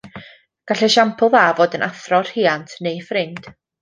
Gall esiampl dda fod yn athro, rhiant neu ffrind